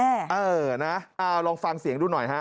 เออนะเอาลองฟังเสียงดูหน่อยฮะ